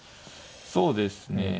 そうですね